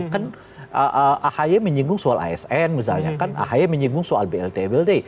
kan ahy menyinggung soal asn misalnya kan ahy menyinggung soal blt blt